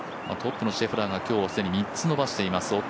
トップのシェフラーが既に３つ伸ばしています。